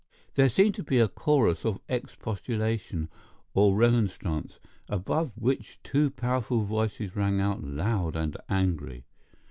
There seemed to be a chorus of expostulation or remonstrance, above which two powerful voices rang out loud and angry.